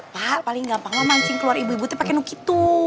pak paling gampang lo mancing keluar ibu ibu teh pakai nukitu